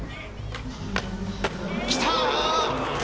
来た！